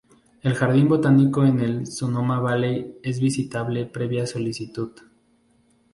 El jardín botánico en el Sonoma Valley es visitable previa solicitud.